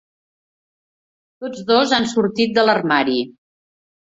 Tots dos han sortit de l'armari!